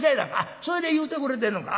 それで言うてくれてんのか。